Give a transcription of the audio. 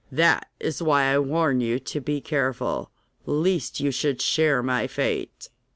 That is why I warn you to be careful, lest you should share my fate.